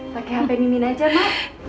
pakai hp mimin aja pak